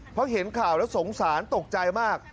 เพราะเห็นข่าวแล้วสงสารตกใจมาก